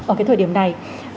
ở cái thời điểm này